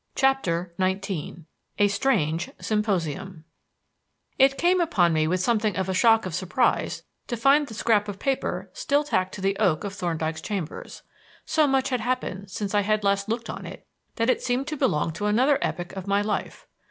CHAPTER XIX A STRANGE SYMPOSIUM It came upon me with something of a shock of surprise to find the scrap of paper still tacked to the oak of Thorndyke's chambers. So much had happened since I had last looked on it that it seemed to belong to another epoch of my life.